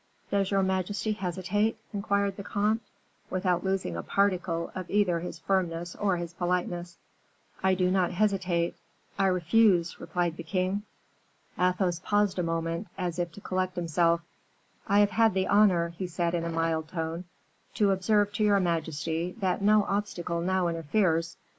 "Does your majesty hesitate?" inquired the comte, without losing a particle of either his firmness of his politeness. "I do not hesitate I refuse," replied the king. Athos paused a moment, as if to collect himself: "I have had the honor," he said, in a mild tone, "to observe to your majesty that no obstacle now interferes with M.